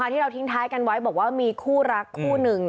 ที่เราทิ้งท้ายกันไว้บอกว่ามีคู่รักคู่หนึ่ง